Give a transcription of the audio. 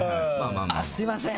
すみません！